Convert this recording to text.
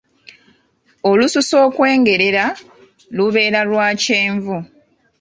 Olususu okwengerera, lubeera lwa kyenvu.